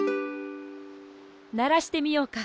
ならしてみようか。